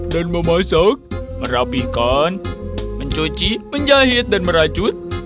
dan memasak merapikan mencuci menjahit dan merajut